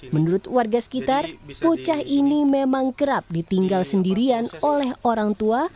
menurut warga sekitar bocah ini memang kerap ditinggal sendirian oleh orang tua